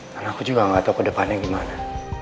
karena aku juga gak tau ke depannya gimana